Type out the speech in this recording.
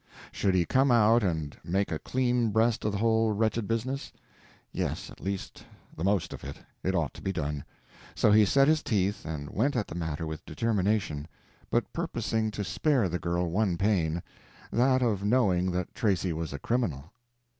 Should he come out and make a clean breast of the whole wretched business? Yes—at least the most of it—it ought to be done. So he set his teeth and went at the matter with determination, but purposing to spare the girl one pain—that of knowing that Tracy was a criminal.